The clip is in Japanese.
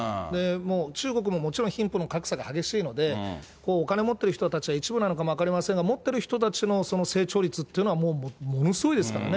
もう中国ももちろん貧富の格差が激しいので、お金持ってる人たちは一部なのかも分かりませんが、持ってる人たちのその成長率というのはもうものすごいですからね。